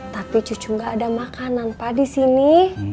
tapi cucu enggak ada makanan pak disini